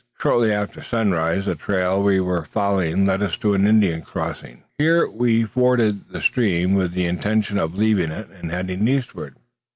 Shortly after sunrise, the trail we were following led us to an Indian crossing. Here we forded the stream with the intention of leaving it and heading eastward.